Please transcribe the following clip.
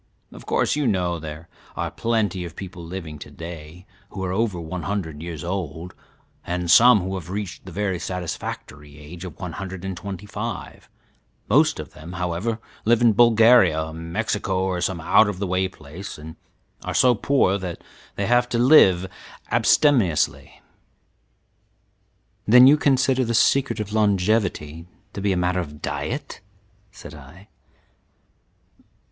Of course, you know there are plenty of people living to day who are over one hundred years old, and some who have reached the very satisfactory age of one hundred and twenty five; most of them, however, live in Bulgaria, Mexico, or some out of the way place, and are so poor that they have to live abstemiously." "Then you consider the secret of longevity to be a matter of diet?" said I.